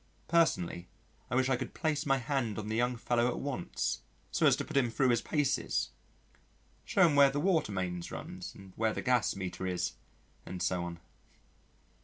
Personally, I wish I could place my hand on the young fellow at once, so as to put him thro' his paces shew him where the water main runs and where the gas meter is, and so on.